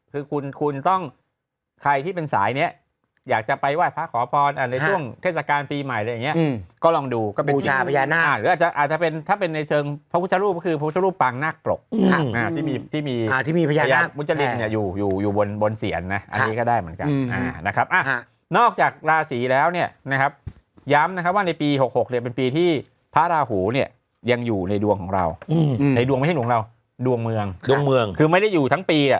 คุณคุณต้องใครที่เป็นสายเนี่ยอยากจะไปว่าพระขอพรในช่วงเทศกาลปีใหม่เลยเนี่ยก็ลองดูก็เป็นกูชาพญานักอาจจะอาจจะเป็นถ้าเป็นในเชิงพระพุทธรูปคือพระพุทธรูปปางนักปลกที่มีพญานักมุจริงอยู่อยู่อยู่บนบนเศียรนะอันนี้ก็ได้เหมือนกันนะครับนอกจากราศีแล้วเนี่ยนะครับย้ำนะครับว่าในปี๖๖เป็นปี